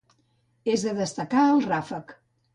És de destacar el ràfec.